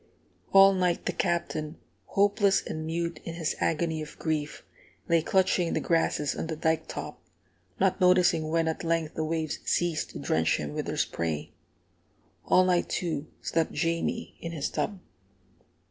All night the Captain, hopeless and mute in his agony of grief, lay clutching the grasses on the dike top, not noticing when at length the waves ceased to drench him with their spray. All night, too, slept Jamie in his tub.